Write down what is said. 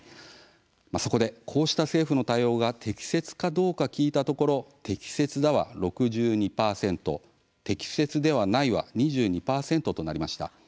そこでこうした政府の対応が適切かどうか聞いたところ適切だ、は６２％適切ではない、は２２％でした。